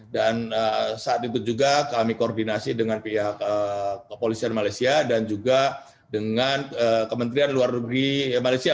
dan saat itu juga kami koordinasi dengan pihak kepolisian malaysia dan juga dengan kementerian luar negeri malaysia